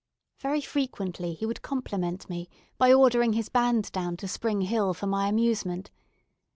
Very frequently he would compliment me by ordering his band down to Spring Hill for my amusement.